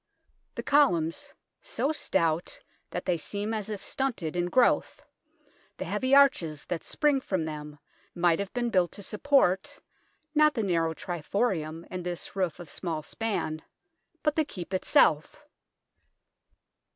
The columns, so stout that they seem as if stunted in growth, the heavy arches that spring from them, might have been built to support, not the narrow triforium and this roof of small span, but the Keep itself.